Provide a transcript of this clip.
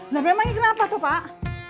nah memang ini kenapa tuh pak